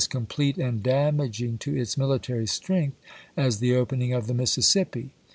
complete and damaging to its militar^y strength, as the opening of the Mississippi.